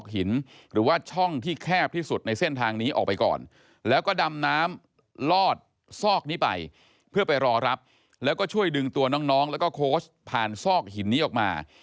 หินหรือว่าช่องที่แคบที่สุดในเส้นทางนี้ออกไปก่อนแล้วก็ดำน้ำลอดซอกนี้ไปเพื่อไปรอรับแล้วก็ช่วยดึงตัวน้องแล้วก็โค้ชผ่านซอกหินนี้ออกมา